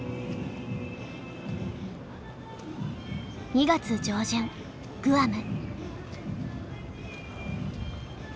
２月上旬グアム。